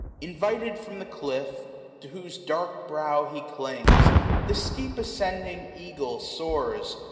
Invited from the clifi^, to whose dark brow He clings, the steep ascending eagle soars.